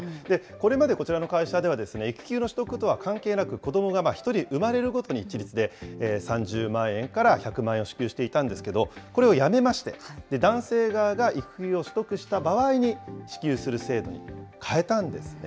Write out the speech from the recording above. これまでこちらの会社では、育休の取得とは関係なく、子どもが１人産まれるごとに一律で３０万円から１００万円を支給していたんですけれども、これをやめまして、男性側が育休を取得した場合に支給する制度に変えたんですね。